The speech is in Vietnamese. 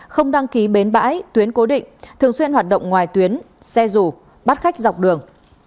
không đăng ký bến bãi tuyến cố định thường xuyên hoạt động ngoài tuyến xe rù bắt khách dọc đường